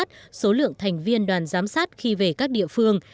đồng thời đề nghị phải xác định số lượng thành viên đoàn giám sát khi về các địa phương